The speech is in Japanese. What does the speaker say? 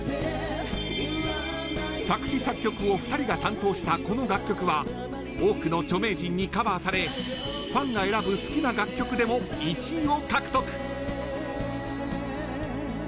作詞作曲を２人が担当したこの楽曲は多くの著名人にカバーされファンが選ぶ好きな楽曲でも１位を獲得。